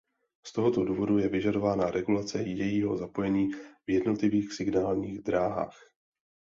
Z tohoto důvodu je vyžadována regulace jejího zapojení v jednotlivých signálních drahách.